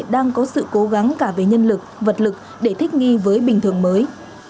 đang có sự cố gắng cả về nhân lực vật lực để thích nghi với bình thường mới